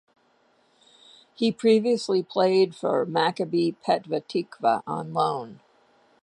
He previously played for Maccabi Petah Tikva on loan.